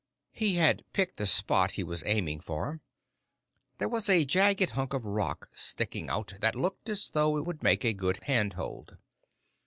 He had picked the spot he was aiming for. There was a jagged hunk of rock sticking out that looked as though it would make a good handhold.